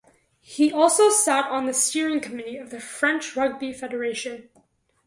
He also sat on the steering committee of the French Rugby Federation.